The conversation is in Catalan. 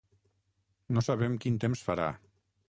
No sabem quin temps farà.